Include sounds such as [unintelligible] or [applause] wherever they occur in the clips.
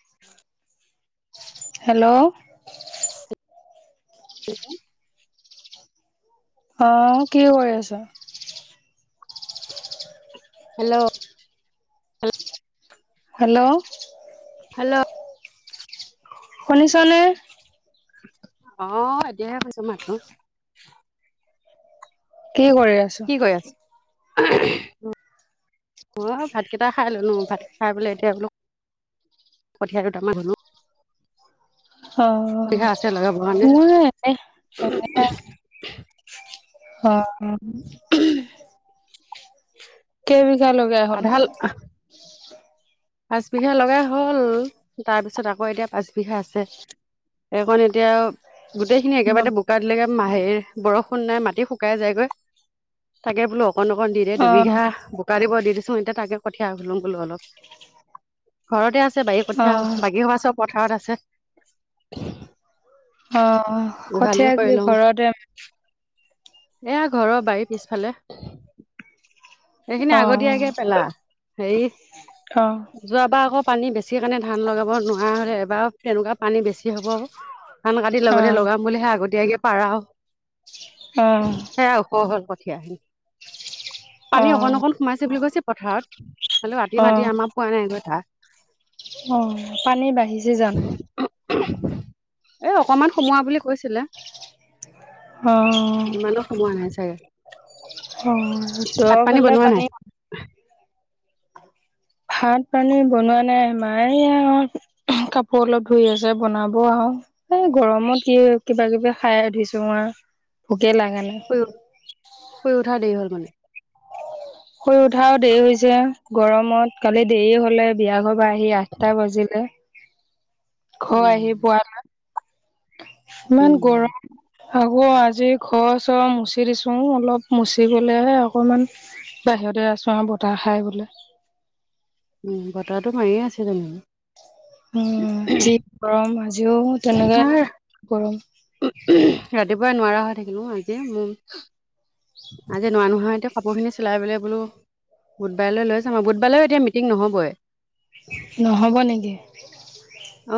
[unintelligible] [inaudible] Hello hello অ কি কৰি আছ? হেল্ল' হেল্ল' হেল্ল' শুনিছ নে আহ এতিয়াহে কৈছো মাৰটো কি কৰি আছ [unintelligible] [inaudible] অ ভাতকেইটা খাই ললো ভাত খাই পেলাই এতিয়া বোলো কথিয়া দুটা মান ৰুলোঁ অহ আছে লগাব মোৰ কাৰণে এনে, এনে আছোঁ। অহ অহ কেই বিঘা লগাই হল পাঁচবিঘা লগাই হ'ল তাৰপিছত আকৌ এতিয়া পাঁচবিঘা আছে সেইকন এতিয়া গোটেইখিনি একেবাৰেতে বোকা দিলেগে মাহে বৰষুণ নাই মাটি শুকাই যায়গৈ তাকে বোলোঁ অকণ অকণ দি দে অ দুবিঘা বোকা দিব দিছোঁ এতিয়া তাকে কঠিয়া ৰুম বোলো অলপ হয় [unintelligible] ঘৰতে আছে বাৰী কঠীয়া বাগী চবে পথাৰত আছে। [unintelligible] অ উঘালিও কঠীয়া কৰি কি লওঁ ঘৰতে এয়া ঘৰৰ বাৰী পিছফালে সেইখিনি অ আগতীয়াকে পেলা হেৰি অ যোৱাবাৰ আকৌ পানী বেছি কাৰণে ধান লগাব নোৱাৰা হলে এবাৰ তেনেকুৱা পানী বেছি হ'ব ক ধান কাটি অ লগতে লগাম বুলি সে আগতীয়াকে পাৰাও অ সেয়াও কঠিয়া, অ পানী অকণ অকণ সোমাইছে বুলি কৈছে পথাৰত হলো [unintelligible] ৰাতি অ মাতি আমাক পোৱা নাই কথা অ পানী বাঢ়িছে জানোঁ। এ অকমান সোমোৱা বুলি কৈছিলে অ ইমানো সময় নাই চাগে ভাত অহ তই পানী বনোৱা নাই ভাত পানী বনোৱা নাই মা আৰু কাপোৰ অলপ ধুই আছে বনাব আও এ গৰমত কি কিবা কিবি খাই উঠিছোঁ মই গেলা কাৰণে শুই শুই উঠা দেৰি হ'ল মানে শুই উঠাও দেৰি হৈছে গৰমত কালি দেৰি হলে বিয়া ঘৰ তাৰ পৰা আহি আঠটা বাজিলে ঘৰ উম আহি পোৱা নাই ইমান উম গৰম হয়। অ আজি ঘৰ চৰ মচি দিছো অলপ মচি গলে অকমান বাহিৰতে [unintelligible] আহিছোঁ আৰু বতাহ খাই বোলে। উ বতাহটো মাৰিয়ে আছে তেনেকে উম ঠিক গৰম আজিও তেনেকে গৰম ৰাতিপুৱা নোৱাৰা হৈ থাকিলোঁ আজি মোৰ আজি নোৱা নোহোৱা এতিয়া কাপোৰখিনি চিলাই পেলাই বোলো বুধবাৰলৈ লৈ যাম আৰু বুধবাৰলৈও এতিয়া মিটিং নহ'বই----। নহব নেকি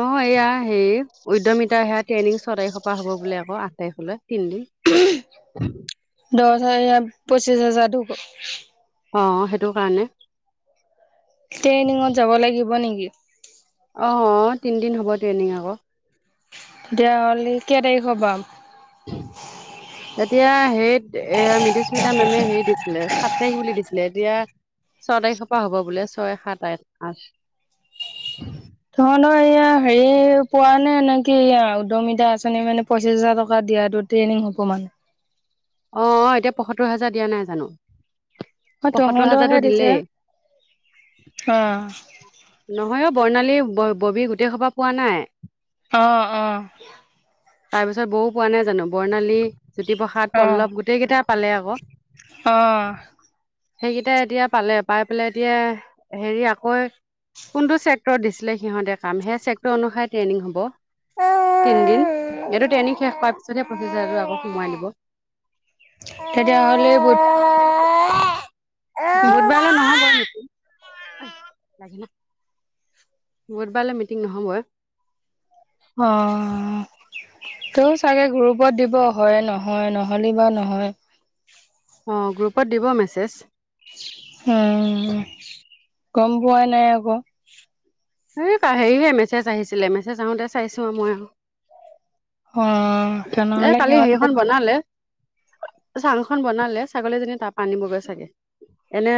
অ এয়া হেৰি উদ্যমিতা সেয়া ট্ৰেইনিং ছয় তাৰিখৰ পৰা হ'ব বুলি আকৌ আঠ তাৰিখলৈ--। দিল্লী। দহ হাজাৰ হেৰিয়ত পঁচিছ হাজাৰটো---। অ সেইটো কাৰণে---। ট্ৰেইনিঙত যাব লাগিব নেকি---। অ তিনিদিন হ'ব ট্ৰেইনিং আকৌ---। তেতিয়া হ'লে কেই তাৰিখৰ পৰা------। উ [unintelligible] এতিয়া সেইত এ মিডিস্মিতা মেমে হেৰি দিছিলে সাত তাৰিখ বুলি দিছিলে এতিয়া---। ছয় তাৰিখৰ পৰা হ'ব বোলে ছয় সাত আঠ আাঁঠ। [unintelligible] তহতৰ এয়া হেৰি পোৱা নে নেকি উদমিতা আঁচনি মানে পঁচিশ হাজাৰ টকা দিয়া। ট্ৰেনিং হব মানে। অ অ এতিয়া পয়সত্তৰ হাজাৰ দিয়া নাই জানো। অ পয়সত্তৰ হাজাৰটো তহঁতৰহে দিছে দিলে অ নহ। মই বৰ্ণালী ব ববী গোটেই সোপা পোৱা নাই। অ অ তাৰ পিছত বৌ পোৱা নাই জানো বৰ্ণালী জ্যোতিপ্ৰসাদ। অ পল্লৱ গোটেই কেইটা পালে অ ক। অ সেইকেইটা এতিয়া পালে পাই পেলাই এতিয়া হেৰি আকৌ কোনটো চেক্টৰত দিছিলে সিহঁতে কাম সেই চেক্টৰ অনুসায় ট্ৰেইনিং হ'ব তিনদিন এইটো ট্ৰেনিং শেষ পোৱাৰ পিছতহে পচিছ হাজাৰ আকৌ সোমাই দিব। তেতিয়াহলে বুত। বোধবাৰলে নহব নেকি। বুধবাৰলে মিটিং নহবই। অহ। ত চাগে গ্ৰুপত দিব হয় নহয় নহলে বা নহয়। অ গ্ৰুপত দিব মেছেজ। উম গম পোৱাই নাই আ ক। এই হেৰিহে মেছেজ আহিছিলে মেছেজ আহোতে চাইছো মই। অ এ তেনেহ'লে কালি সিহঁতে হেৰিখন বনালে। চাংখন বনালে ছাগলীজনী তাৰ পা আনিবগৈ চাগে এনে।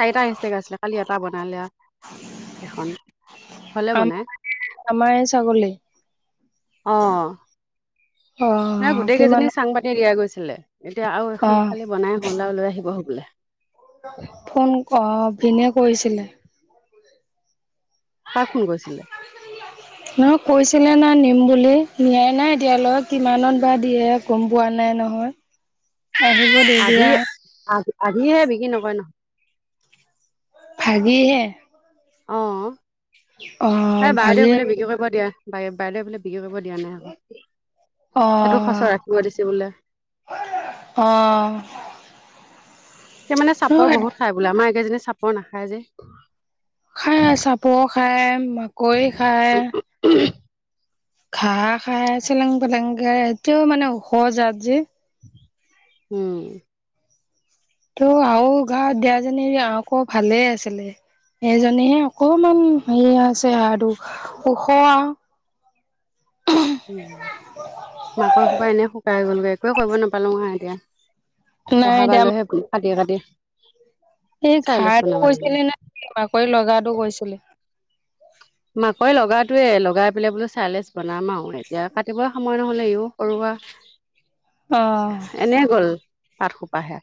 চাৰিটা এচটাকে আছিলে কালি এটা বনালে। এখন হলে বনাই। আমাৰ আমাৰ এই ছাগলী অহ। অ গোটেই কিমান কেইজনীক চাং পাতি দিয়া গৈছিলে এতিয়া আৰু অ এখন খালি বনাই হলাও লৈ আহিব হবলা। ফোন অ ভিনিয়ে কৰিছিলে। কাক ফোন কৰিছিলে। নহয় কৈছিলে ন নিম বুলি। নিয়াই নাই এতিয়ালৈ কিমানত বা দিয়ে গম পোৱা নাই নহয়। আহিব দে আধি দিয়া অ। আধিহে বিকি নকৰে ন। আধিহে। অহ বাইদেউৱে ভাগি বোলে বিক্ৰী কৰিব দিয়ে। বাই বাইদেউ বোলে বিক্ৰী কৰিব দিয়া নাই আকৌ। অ সেইটো সচৰ ৰাখিব দিছে বোলে। অ সেই মানে চাপৰ বহুত খাই বোলে আমাৰ এই কেইজনী চাপৰ নাখায় যে। খাই চাপৰ খায় মাকৈ খায়। খাই খাই চেলেং পেলংকে এতিয়াও মানে ওখ জাত যে। উম। তো আৱ ঘৰত দিয়াজনী আকৌ ভালে আছিলে। এজনীহে অকমান হেৰি আছে আৰু ওখ আও [unintelligible] উ মাকই সোপা এনেই শুকাই গলগে একোৱে কৰিব নাপালো আও এতিয়া নাই অহা বাৰলে কাটিয়ে কাটিয়ে এ ঘাৰটো কৈছিলি নে বাকৰি লগাটো গৈছিলি মাকৈ লগাটোৱে লগাই পেলাই বোলো চাইলেছ বনাম আৰু এতিয়া কাটিব সময় নহলে ইও কৰবা অ'। এনে গল পাত সোপাহে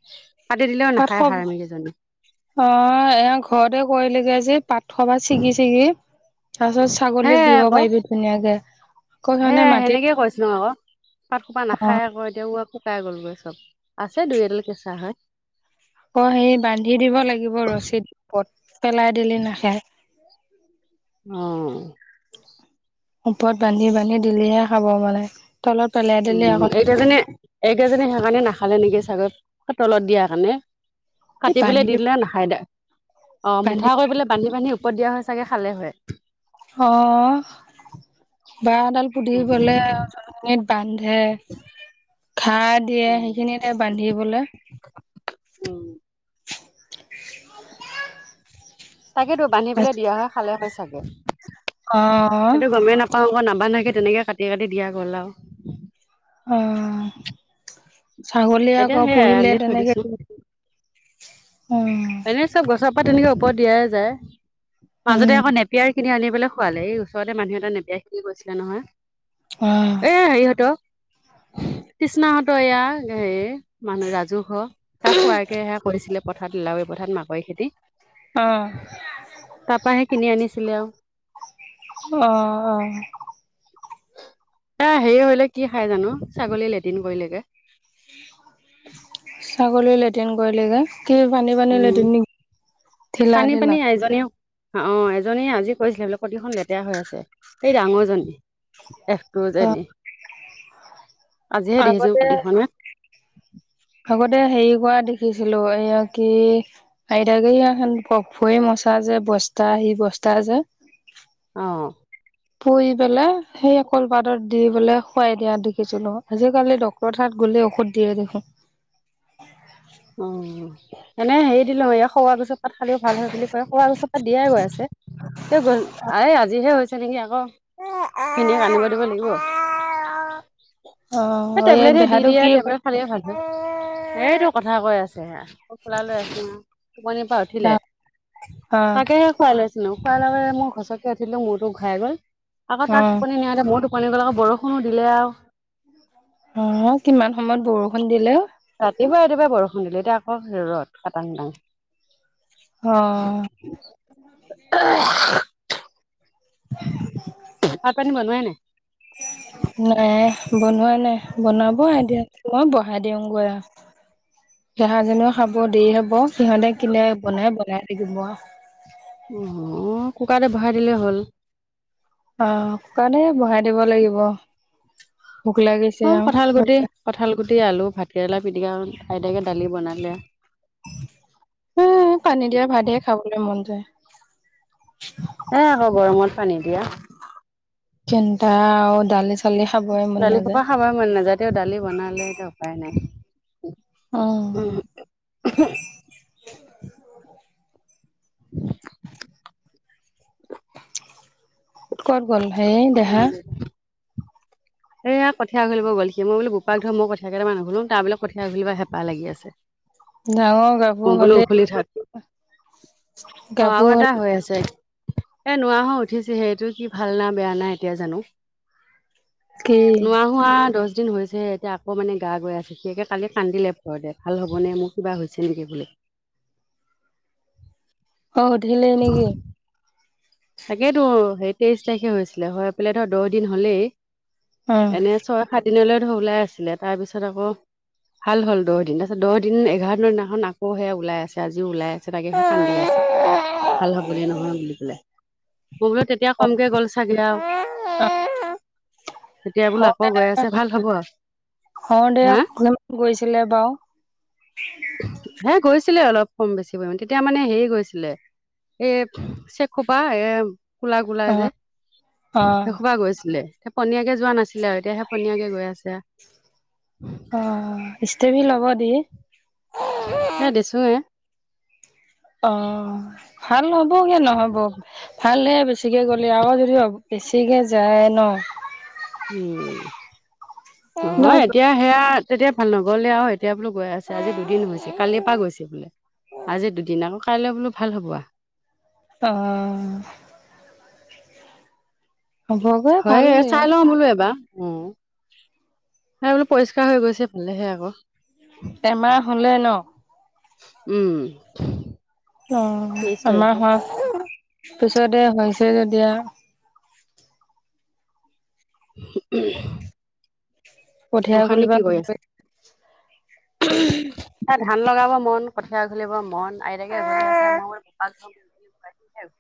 কাটি দিলেও পাত নাখায় অ হাৰামি কেইজনী এ ঘৰতে কৰিলিগে যে পাত থবা ছিগি ছিগি তাৰ পিছত ছাগলীক দিব পাৰিবি ধুনীয়াকে আকৌ সে সিহঁতে মাটিত সেনেকে কৈছিলো আকৌ পাত খোপা অ' নাখাই আকৌ এতিয়া ও শুকাই গলগৈ চব আছে দুই এডাল কেঁচা হয় আকৌ সেই বান্ধি দিব লাগিব ৰছীদ পট পেলাই দিলি নাখায় [unintelligible] অ ওপৰত বান্ধি বান্ধি দিলেহে খাব মানে তলত পেলাই দিলে উম আকৌ এইকেইজী এইকেইজী সেইকাৰণে নাখালে নেকি ছাগত তলত দিয়া কাৰণে এই কাটিপেলে বান্ধি দি দিলে নাখাই দোঅ বান্ধি মুঠা কৰি পেলাই বান্ধি বান্ধি উপত দিয়া হয় চাগে খালে হয়। অ বাহডাল উম পুতিবলে [unintelligible] বান হে ঘা দিয়ে উম সেইখিনিতে বান্ধিবলৈ [unintelligible] তাকেতো বান্ধি পেলৈ দিয়া হয় খালে হয় চাগে অ সেইটো গমেই নাপাওঁ আকৌ নাম বান্ধাকে তেনেকে কাটি কাটি দিয়া গ'ল আৰু অ ছাগলীয়ে এতিয়া আকৌ সেয়াই পোহিলে আলি থৈ তেনেকে দিছো উ আকৌ তেনেকে ওপৰত দিয়াই যায় মাজতে উম আকৌ নেপিয়াৰ কিনি আনি লে খোৱালে এই ওচৰতে মানুহ এটা নেপিয়া শিনি গৈছিলে অ নহয় এ হেৰিহত তৃষ্ণা হতৰ এ সে মানুহ ৰাজহুৱ তাক খোৱাকে সে কৰিছিলে পথাত [unintelligible] পথাৰত মাকৈ খেতি অ তাপাহে কিনি আনিছিলে আওঁ অ অ এ হেৰি হলে কি খাই জানো ছাগলী লেট্ৰিন কৰিলেজে ছাগলী লেট্ৰিন কৰিলেগজে উম ঢিলা পানী ঢিলা পানী এজনীও অ এজনী আ কৰিছিলে বলে প্ৰতিখন লেতেৰা হৈ আছে এই ডাঙৰজনী একো অ জানি আগতে আগতে হেৰি কৰা দিশ দেখিছিলো এয়া কি আইতাকাকে পফুৱে মচা যে বস্তা সি বস্তা তাজে অ পু পেলাই সেই কলপাতত দি পেলে খোৱাই দিয়া দেখিছিলো আজিকালি ডক্তৰৰ তাত গ'লে ঔষধ দিয়ে দেখোন অ এনেই হেৰি দিলো এই খোৱাৰ পিছত পাত খালেও ভাল হয় বুলি কয় কোৱা গছৰ তাত দিয়াই গৈ আছে গল আ আজিহে হৈছে তেনেকে আকৌ খিনি [unintelligible] দিব লাগিব অ এই টেবলেটে দি দেহাটো দিয়া কি টেবলেট অ খালে ভাল এইটো কথা কৈ আছে হেয়া [unintelligible] লৈ আছিলো টোপনি পৰা উঠিলে অ তাকেহে খোৱাই লৈ আছিলো খোৱাৰ লগে মই ঘচকে উঠিলো মোৰতো ঘ খাই গ'ল আকৌ তাক টোপনি নিয়া মইতো টোপনি গল আৰু বৰষুণো দিলে আও। অ, কিমান সময়ত বৰষুণ দিলে। ৰাতিপুৱা - ৰাতিপুৱা বৰষুণ দিলো এতিয়া আকৌ ৰদ খাটাং টাং অ', [unintelligible] ভাত পানি বনোৱাই নাই। নাই বনোৱা নাই বনাব আই দিয়া মই ব আ দে অং গ [unintelligible] ডেহাজনীও খাব দেৰি হব সিহতে কিনে বনাই বনাই থাকিব আও। অহ, কুকাৰতে বহাই দিলেই হ'ল। অহ, কোকাৰতে বহাই দিব লাগিব আও । অ কঠাল গুটি - কঠাল গুটি আলু ভাত । কেৰেলা পিটিকা আইতাকে দালি বনালে । সেই পানী দিয়া ভাতে খাবলৈ মন যায় । এহ আকৌ গৰমত পানী দিয়া । কেনটা দালি চ [unintelligible] দালি সোপা খাব মন নাযায়তেও দালি বনালে এতিয়া উপায় নাই । অ [unintelligible] উম, উ [unintelligible] [inaudible] [unintelligible] কত গ'ল হেই দেহা । এয়া কঠীয়া ঘলিব গল কি মই বোপাক ধৰ মই কেইটা ম‌ই [unintelligible] তাৰ বোলে কঠীয়া ঘঘলিবা হেপাহ লাগি আছে । ডাঙৰ গাভৰু হলেই থাক [unintelligible] অ, আৰু এটা হৈ আছে। এ নোৱাৰা হয় উঠিছে সেইটো কি ভাল না বেয়া নাই এতিয়া জানো । কি নোৱাৰ হোৱা দশ দহ দিন হৈছেহে এতিয়া আকৌ মানে গা গৈ আছে সিয়ে কালি কান্দিলে ভয়তে ভাল হ'বনে মোৰ কিবা হৈছে নেকি বোলে। অ, সুধিলে নেকি? তাকেইতো সেই তেইশ তাৰিখে হৈছিলে হয় পেলাই ধৰ দহ দিন হলেই অ । এনে ছয় সাত দিনলৈ ওলাই আছিলে তাৰপিছত আকৌ [unintelligible] ভাল হল দহ দিন তাৰপিছত দহ দিন এঘাৰ দিনৰ দিনাখন আকৌ ওল আছে আজি ওলাই আছে তাকে সেই কান্দি আছে । ভাল হ'ব দে নহয় বুলি পেলাই। [unintelligible] মোৰ বোলো তেতিয়া কমকে গ'ল চাগে আৰু। [unintelligible] [unintelligible] বোলো অ, আকৌ দে গৈ আছে ভাল হ'ব আৰু। - অ, দে হা অকমান গৈছিলে বাও। [unintelligible] ছিলে অলপ কম বেছি পৰি তেতিয়া মানে হেৰি গৈছিলে এ চেগ খোপা এ কোলা - কোলা অ যে অ সেই সোপা গৈছিলে পনীয়াকে যোৱা নাছিলে আৰু এতিয়াহে পনিয়াকে গৈ আছে । অ, ইচট্ৰেফ্ৰি লগাব দি। হ দিছোয়ে [unintelligible] অ, ভাল হ'বগে নহব ভালহে বেছিকে গ'লে আ যদি বেছিকে যায় ন উম, ন নহয় এতিয়া সেয়া তেতিয়া ভাল নগৰলে আৰু এতিয়া বোলো গৈ আছে আজি দুদিন হৈছে কালিৰ পৰা গৈছে বোলে । আজি দুদিন আকৌ কাইলৈ বোলো ভাল হ'ব আ অ', হ'বগৈ ভাল হয় এয়া চাই লও বোলো এবাৰ। উম, সেই বোলো পৰিষ্কাৰ হৈ গৈছে ভালেকে আকৌ । এমাহ হলেই ন। উম, অ তেইশ আমাৰ তাৰিখে হোৱা পিছতে হৈছে যেতিয়া [unintelligible] [unintelligible] উম [unintelligible] কঠিয়া গোসাঁনী খুলিবা কি কৰি আছে [unintelligible] তাত ধান লগাব [unintelligible] মন কঠীয়া তুলিবৰ মন আইতাকে [unintelligible]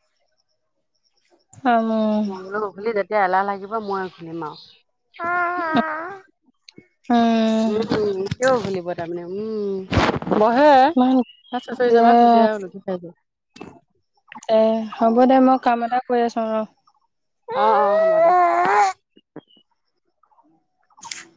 উম ম‌ই বোলো গধুলি যেতিয়া এলাহ লাগিব মই উঘুলিম আৰু [unintelligible] [unintelligible] অ উম উম-উম কিয় উভলিব [unintelligible] তাৰমানে উম বহে ইমান সেই চুচৰি এ যাবা খোজে আৰু নধি খাই যোৱা [unintelligible] [unintelligible] দে হ'ব দে মই কাম এটা কৰি আছো আৰু [unintelligible] অঁ-অঁ [unintelligible] উ [unintelligible]